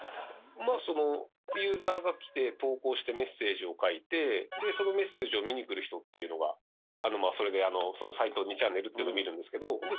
ユーザーが来て投稿してメッセージを書いてでそのメッセージを見に来る人っていうのがそれでサイト「２ちゃんねる」っていうのを見るんですけどで